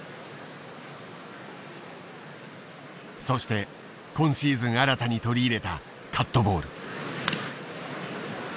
そして今シーズン新たに取り入れたカットボール。